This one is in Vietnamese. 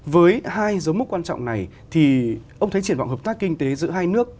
với hai dấu mốc quan trọng này thì ông thấy triển vọng hợp tác kinh tế giữa hai nước